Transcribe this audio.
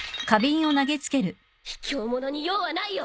ひきょう者に用はないよ！